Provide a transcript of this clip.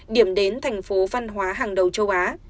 điểm đến thành phố văn hóa hàng đầu châu á